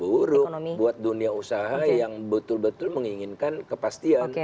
buruk buat dunia usaha yang betul betul menginginkan kepastian